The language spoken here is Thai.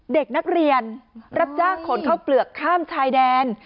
เด็กนักเรียนรับจ้างขนข้าวเปลือกข้ามชายแดน